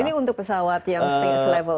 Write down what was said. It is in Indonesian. ini untuk pesawat yang stage level